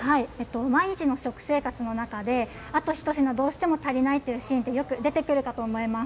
毎日の食生活の中で、あと一品、どうしても足りないというシーンって、よく出てくるかと思います。